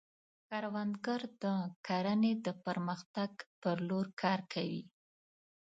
کروندګر د کرنې د پرمختګ په لور کار کوي